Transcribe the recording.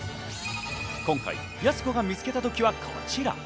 今回やす子が見つけた土器はこちら。